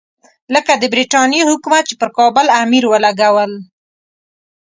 لکه د برټانیې حکومت چې پر کابل امیر ولګول.